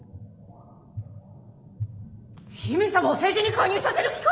姫様を政治に介入させる気か！